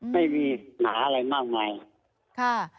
ไม่มีหนาอังมากค่ะ